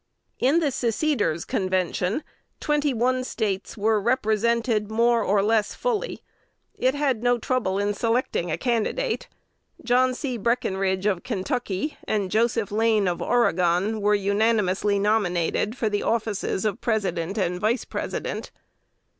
In the seceders' Convention, twenty one States were represented more or less fully. It had no trouble in selecting a candidate. John C. Breckinridge of Kentucky and Joseph Lane of Oregon were unanimously nominated for the offices of President and Vice President.